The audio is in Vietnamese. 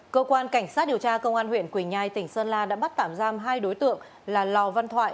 cơ quan cảnh sát điều tra công an huyện quỳnh nhai tỉnh sơn la đã bắt tạm giam hai đối tượng là lò văn thoại